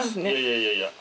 いやいや。